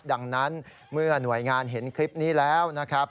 ดังนั้นเมื่อหน่วยงานเห็นคลิปนี้แล้วนะครับ